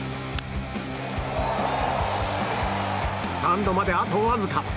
スタンドまであとわずか。